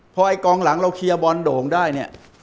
พอไอ้กองหลังเราเคลียร์บอลโด่งได้เนี่ย